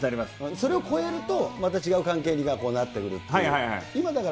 それを超えると、また違う関係になってくるっていう。